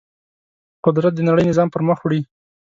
قدرت د نړۍ نظام پر مخ وړي.